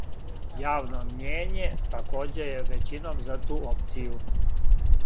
Јавно мњење такође је већином за ту опцију.